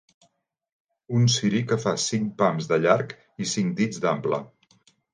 Un ciri que fa cinc pams de llarg i cinc dits d'ample.